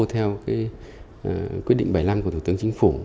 theo quyết định bảy mươi năm của thủ tướng chính phủ